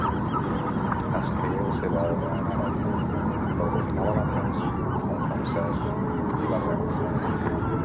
Escrigué la seva obra en àrab, però dominava l'anglès, el francès i l'hebreu.